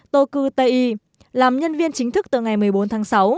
tô cư tây y làm nhân viên chính thức từ ngày một mươi bốn tháng sáu